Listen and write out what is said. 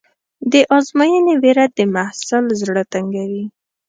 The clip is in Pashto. د ازموینې وېره د محصل زړه تنګوي.